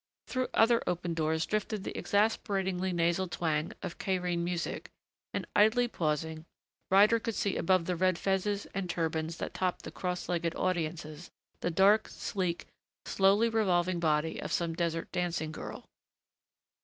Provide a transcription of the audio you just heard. Through other open doors drifted the exasperating nasal twang of Cairene music, and idly pausing, Ryder could see above the red fezes and turbans that topped the cross legged audiences the dark, sleek, slowly revolving body of some desert dancing girl.